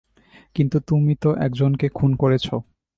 কিন্তু তুমি তো একজনকে খুন করেছো।